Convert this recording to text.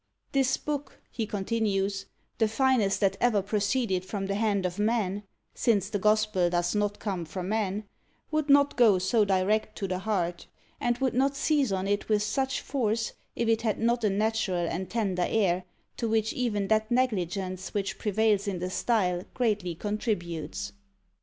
"This book," he continues, "the finest that ever proceeded from the hand of man (since the gospel does not come from man) would not go so direct to the heart, and would not seize on it with such force, if it had not a natural and tender air, to which even that negligence which prevails in the style greatly contributes."